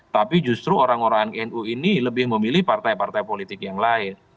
tapi justru orang orang nu ini lebih memilih partai partai politik yang lain